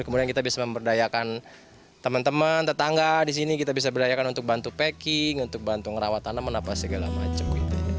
kemudian kita bisa memberdayakan teman teman tetangga di sini kita bisa berdayakan untuk bantu packing untuk bantu ngerawat tanaman apa segala macam